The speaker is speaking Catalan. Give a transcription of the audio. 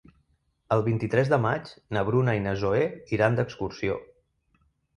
El vint-i-tres de maig na Bruna i na Zoè iran d'excursió.